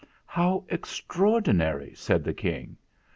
"How extraordinary!" said the King.